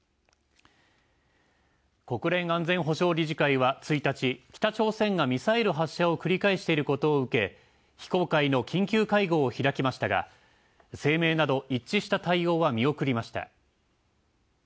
国連安全保障理事会は１日、北朝鮮がミサイル発射を繰り返していることを受け、非公開の緊急会合を開きましたが声明など一致した対応は見送りました。